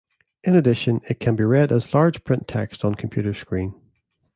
In addition, it can be read as large print text on computer screen.